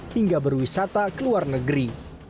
hingga berwisata ke luar negeri